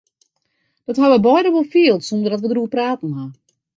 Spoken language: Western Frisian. Dat ha we beide wol field sonder dat we dêroer praten ha.